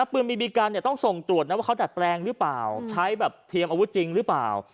ปืนบีบีกันต้องส่งตรวจนะว่าเขาดัดแปลงหรือเปล่าใช้แบบเทียมอาวุธจริงหรือเปล่า